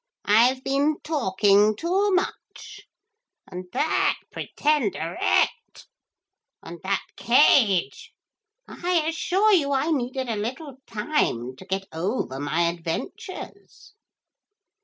I've been talking too much. And that Pretenderette. And that cage. I assure you I needed a little time to get over my adventures.'